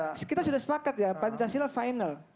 ya kita sudah sepakat ya pancasila final